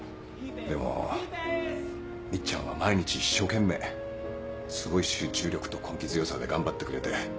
でもみっちゃんは毎日一生懸命すごい集中力と根気強さで頑張ってくれて。